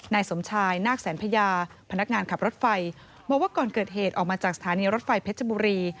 นายสมชายนาคแสนพญาพนักงานขับรถไฟบอกว่าก่อนเกิดเหตุออกมาจากสถานีรถไฟเพชรบุรี